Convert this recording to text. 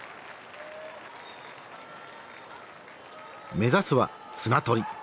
目指すは綱取り。